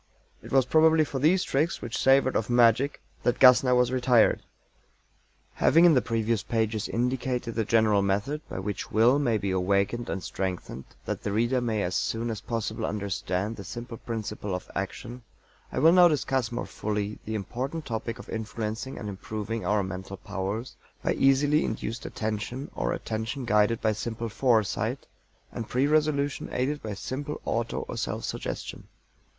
It was probably for these tricks which savored of magic that GASSNER was "retired." Having in the previous pages indicated the general method by which Will may be awakened and strengthened, that the reader may as soon as possible understand the simple principle of action, I will now discuss more fully the important topic of influencing and improving our mental powers by easily induced Attention, or attention guided by simple Foresight, and pre resolution aided by simple auto or self suggestion.